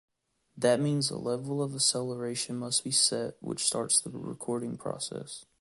That means a level of acceleration must be set which starts the recording process.